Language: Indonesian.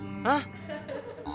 apa aja yang hilang